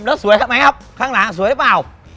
แล้วสวยทำไมครับข้างหลังสวยหรือเปล่า